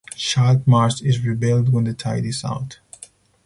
Salt marsh is revealed when the tide is out.